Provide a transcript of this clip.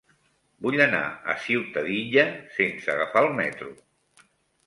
Vull anar a Ciutadilla sense agafar el metro.